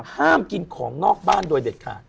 ห้ามกินของนอกบ้านโดยเด็ดขาด